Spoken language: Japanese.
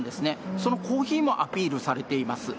そのコーヒーもアピールされています。